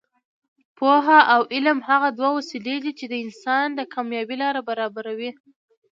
پوهه او علم هغه دوه وسلې دي چې د انسان د کامیابۍ لاره برابروي.